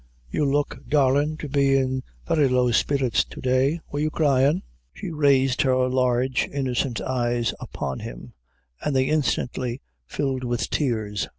You look, darlin', to be in very low spirits to day. Were you cryin'?" She raised her large innocent eyes upon him, and they instantly filled with tears.